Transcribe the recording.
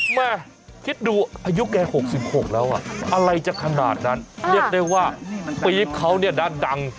แม่คิดดูอายุแก๖๖แล้วอะไรจะขนาดนั้นเรียกได้ว่าปี๊บเขาเนี่ยนะดัง